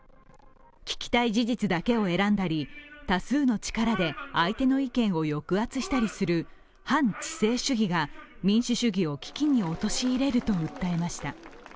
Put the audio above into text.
聞きたい事実だけを選んだり、多数の力で相手の意見を抑圧したりする反知性主義が民主主義を危機に陥れると訴えました。